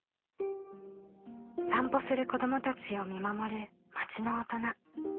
散歩する子どもたちを見守る町の大人。